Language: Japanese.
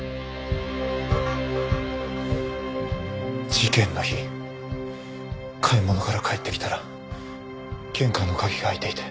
事件の日買い物から帰ってきたら玄関の鍵が開いていて。